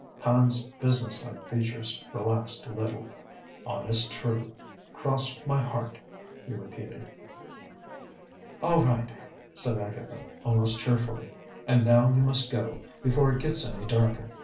Hand's businesslike features relaxed a little. "Honest true, cross my heart!" he repeated. "All right," said Agatha, almost cheerfully. "And now you must go, before it gets any darker.